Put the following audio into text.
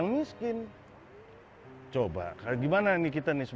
nemuin intan itu